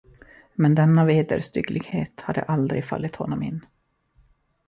Men denna vederstygglighet hade aldrig fallit honom in.